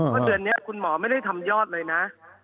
ว่าเดือนนี้คุณหมอไม่ได้ทำยอดเลยนะ